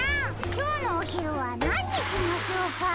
きょうのおひるはなんにしましょうか。